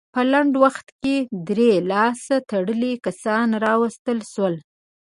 په لنډ وخت کې درې لاس تړلي کسان راوستل شول.